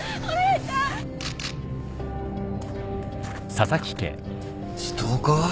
ストーカー？